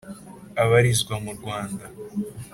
abarizwa mu Rwanda